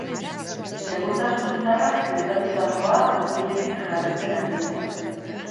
Segurtasun indarrak gertatutakoa hurbiletik jarraitzen ari dira.